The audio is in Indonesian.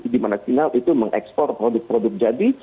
dimana cina itu mengekspor produk produk jadi